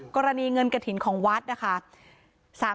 กรณีเงินกระถิ่นของวัดนะคะ